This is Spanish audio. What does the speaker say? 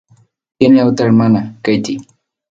Tiene otra hermana, Katie.